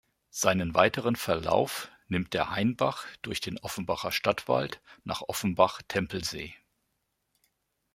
Seinen weiteren Verlauf nimmt der Hainbach durch den Offenbacher Stadtwald nach Offenbach-Tempelsee.